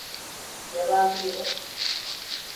Yabancı gibi…